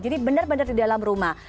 jadi benar benar di dalam rumah